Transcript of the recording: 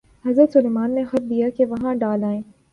حضرت سلیمان نے خط دیا کہ وہاں ڈال آئے۔